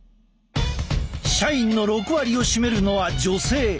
社員の６割を占めるのは女性。